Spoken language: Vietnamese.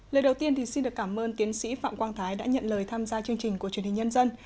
lời đầu tiên thì xin được cảm ơn tiến sĩ phạm quang thái đã nhận lời tham gia chương trình của truyền hình nhân dân